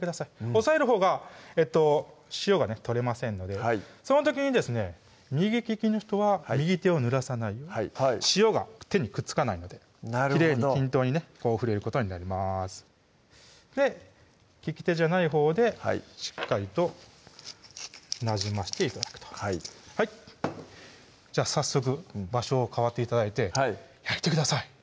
押さえるほうが塩が取れませんのでその時にですね右利きの人は右手をぬらさないように塩が手にくっつかないのできれいに均等にねこう振れることになります利き手じゃないほうでしっかりとなじまして頂くとじゃあ早速場所を替わって頂いて焼いてください